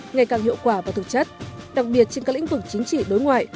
ngày càng hiệu quả và thực chất đặc biệt trên các lĩnh vực chính trị đối ngoại